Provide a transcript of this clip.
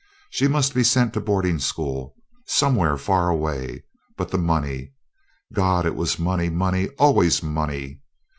She must be sent to boarding school, somewhere far away; but the money? God! it was money, money, always money.